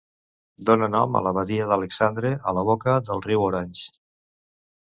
Dona nom a la badia d'Alexandre, a la boca del riu Orange.